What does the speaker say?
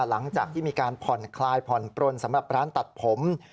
หลังจากที่มีการผ่อนคลายผ่อนปลนสำหรับร้านตัดผม